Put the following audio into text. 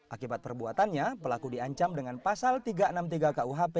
akibat perbuatannya pelaku diancam dengan pasal tiga ratus enam puluh tiga kuhp